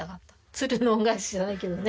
『鶴の恩返し』じゃないけどね。